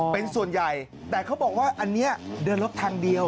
เป็นส่วนใหญ่แต่เขาบอกว่าอันนี้เดินรถทางเดียว